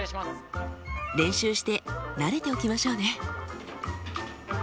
練習して慣れておきましょうね。